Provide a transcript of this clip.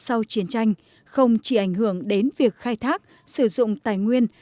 sau chiến tranh không chỉ ảnh hưởng đến việc khai thác sử dụng tài nguyên